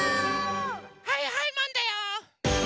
はいはいマンだよ！